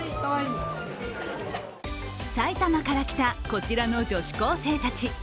埼玉から来たこちらの女子高生たち。